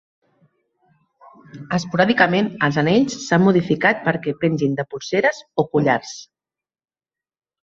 Esporàdicament, els anells s"han modificat perquè pengin de polseres o collars.